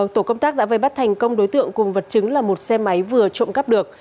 tổ công tác đã vây bắt thành công đối tượng cùng vật chứng là một xe máy vừa trộm cắp được